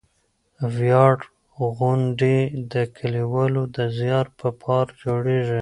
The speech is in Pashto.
ویاړ غونډې د لیکوالو د زیار په پار جوړېږي.